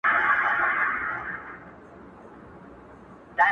ریشتیا د « بېنوا » یې کړ داستان څه به کوو؟،